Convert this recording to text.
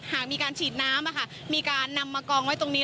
หากมีการฉีดน้ำมีการนำมากองไว้ตรงนี้